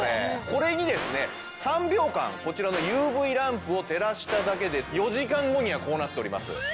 これにですね３秒間こちらのＵＶランプを照らしただけで４時間後にはこうなっております。